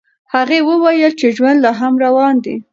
هغې وویل چې ژوند لا هم روان دی.